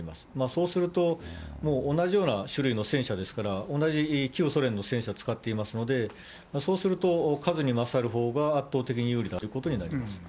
そうすると、もう同じような種類の戦車ですから、同じ旧ソ連の戦車、使っていますので、そうすると数にまさるほうが圧倒的に有利だということになります。